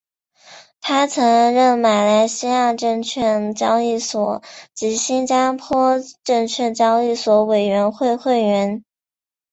他曾任马来西亚证券交易所及新加坡证券交易所委员会会员。